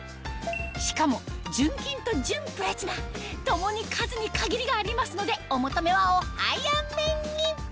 しかも純金と純プラチナ共に数に限りがありますのでお求めはお早めに！